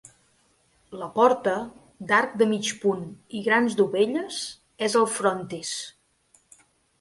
La porta, d'arc de mig punt i grans dovelles, és al frontis.